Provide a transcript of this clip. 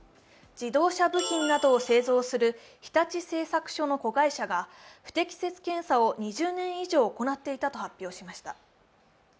自動車部品などを製造する日立製作所の子会社が不適切検査を２０年以上行っていたと分かりました。